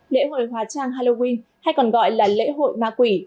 lễ hội hóa trang halloween hay còn gọi là lễ hội ma quỷ